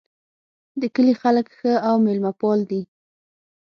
د کلي خلک ښه او میلمه پال دي